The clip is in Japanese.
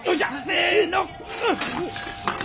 せの！